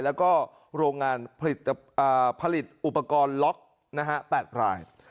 แล้วก็โรงงานผลิตอุปกรณ์ล็อก๘ราย